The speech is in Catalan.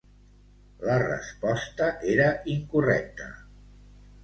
La resposta era incorrecta.